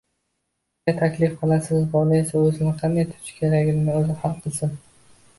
Siz taklif qilasiz, bola esa o‘zini qanday tutish kerakligini o‘zi hal qilsin.